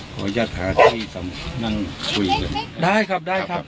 ขอให้ยัดหาที่นั่งคุยกันได้ครับได้ครับ